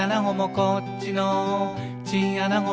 「こっちのチンアナゴも」